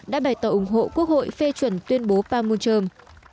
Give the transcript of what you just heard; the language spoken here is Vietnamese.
đã bày tỏ ủng hộ quốc hội phê chuyển tuyên bố panmunjom